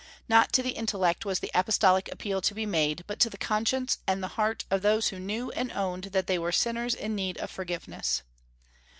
Not to the intellect was the apostolic appeal to be made, but to the conscience and the heart of those who knew and owned that they were sinners in need of forgiveness.